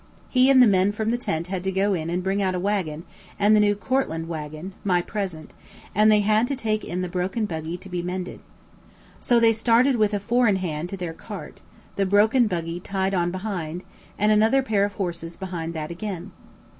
He and the men from the tent had to go in and bring out a waggon and the new "Cortland waggon" (my present), and they had to take in the broken buggy to be mended. So they started with a four in hand to their cart, the broken buggy tied on behind, and another pair of horses behind that again.